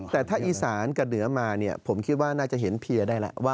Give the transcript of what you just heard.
แต่ถ้าอีสานกับเหนือมาเนี่ยผมคิดว่าน่าจะเห็นเพียได้แล้ว